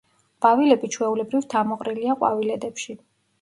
ყვავილები ჩვეულებრივ თავმოყრილია ყვავილედებში.